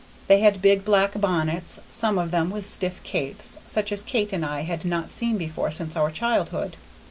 They had big black bonnets, some of them with stiff capes, such as Kate and I had not seen before since our childhood.